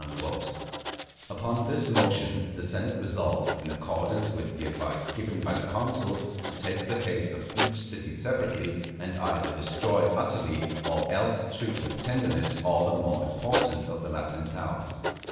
_" Upon this motion the senate resolved, in accordance with the advice given by the consul, to take the case of each city separately, and either destroy utterly or else treat with tenderness all the more important of the Latin towns.